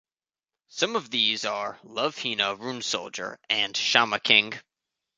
Some of these are "Love Hina, Rune Soldier, and Shaman King".